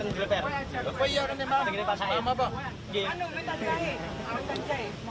di tempat yang asli di jemaah